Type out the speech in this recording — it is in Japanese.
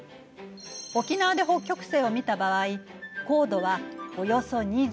沖縄で北極星を見た場合高度はおよそ２６度。